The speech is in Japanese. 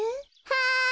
はい。